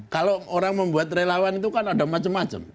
kalau orang membuat relawan itu kan ada macam macam